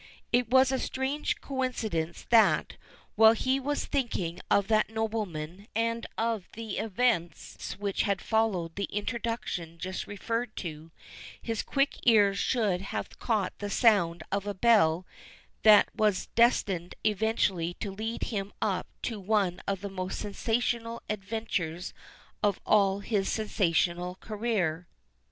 It was a strange coincidence that, while he was thinking of that nobleman, and of the events which had followed the introduction just referred to, his quick ears should have caught the sound of a bell that was destined eventually to lead him up to one of the most sensational adventures of all his sensational career.